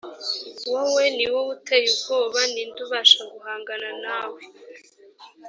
wowe ni wowe uteye ubwoba ni nde ubasha guhangana nawe